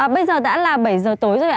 bây giờ đã là bảy h tối rồi